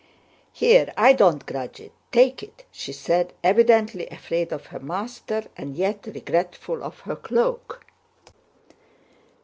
"Here, I don't grudge it—take it!" she said, evidently afraid of her master and yet regretful of her cloak.